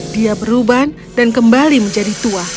dia berubah dan kembali menjadi tua